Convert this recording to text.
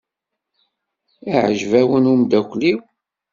Iɛjeb-awen umeddakel-iw?